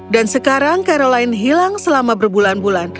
dan sekarang caroline hilang selama berbulan bulan